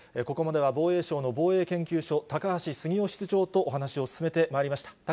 ここまでは防衛省の防衛研究所、高橋杉雄室長とお話を進めてまいりました。